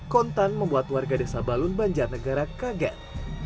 kontan membuat warga desa balun banjarnegara kaget